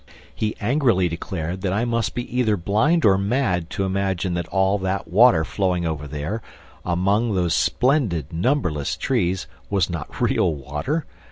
He angrily declared that I must be either blind or mad to imagine that all that water flowing over there, among those splendid, numberless trees, was not real water!